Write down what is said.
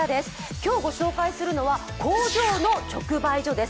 今日御紹介するのは工場の直売所です。